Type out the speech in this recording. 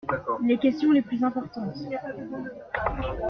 Les questions les plus importantes.